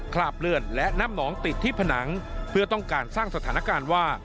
คราบเลือดและน้ำหนองติดที่ผนังเพื่อต้องการสร้างสถานการณ์ว่า